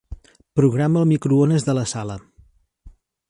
Programa el microones de la sala.